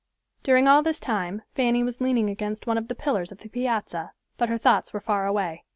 During all this time Fanny was leaning against one of the pillars of the piazza, but her thoughts were far away.